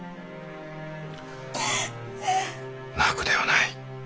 泣くではない。